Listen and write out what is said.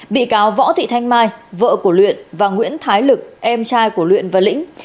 bị cáo võ thị thanh mai vợ của luyện và nguyễn thái lực em trai của luyện và lĩnh